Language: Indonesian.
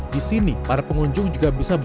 di sini para pengunjungnya kita bisa mencoba